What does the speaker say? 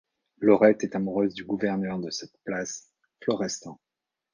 Laurette est amoureuse du gouverneur de cette place, Florestan.